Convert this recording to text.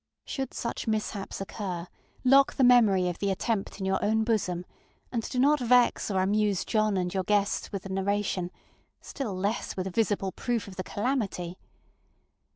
Should such mishaps occur, lock the memory of the attempt in your own bosom, and do not vex or amuse John and your guests with the narration, still less with visible proof of the calamity.